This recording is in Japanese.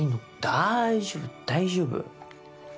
大丈夫大丈夫。